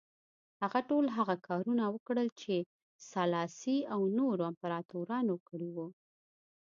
هغه ټول هغه کارونه وکړل چې سلاسي او نورو امپراتورانو کړي وو.